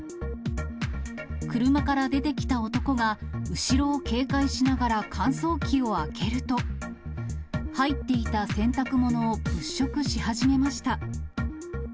車から出てきた男が、後ろを警戒しながら乾燥機を開けると、入っていた洗濯物を物色し始めました。